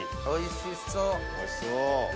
おいしそう。